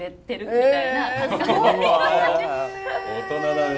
大人だね。